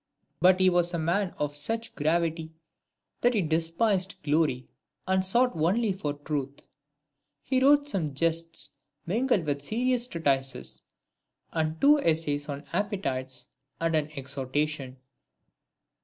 But he was a man of such gravity that he despised glory, and sought only for truth. III. He wrote some jests mingled with serious treatises, and two essays on the Appetites, and an Exhortation.